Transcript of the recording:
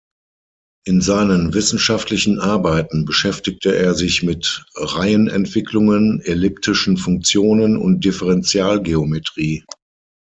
In seinen wissenschaftlichen Arbeiten beschäftigte er sich mit Reihenentwicklungen, elliptischen Funktionen und Differentialgeometrie.